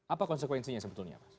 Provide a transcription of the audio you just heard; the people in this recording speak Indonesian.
apa konsekuensinya sebetulnya